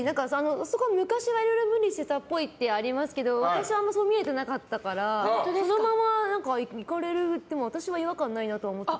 そこ「昔は色々ムリしてたっぽい」ってありますけど私はあんまそう見えてなかったからそのままいかれても私は違和感ないなとは思ってたけど。